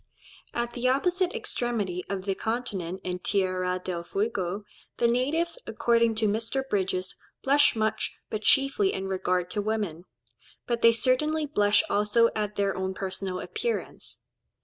At the opposite extremity of the continent in Tierra del Fuego, the natives, according to Mr. Bridges, "blush much, but chiefly in regard to women; but they certainly blush also at their own personal appearance."